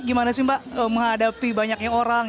gimana sih mbak menghadapi banyaknya orang